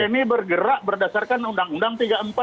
tni bergerak berdasarkan undang undang tiga puluh empat dua ribu empat